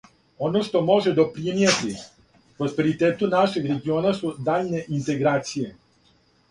Оно што може допринијети просперитету нашег региона су даљње интеграције.